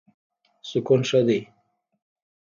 سکون ښه دی.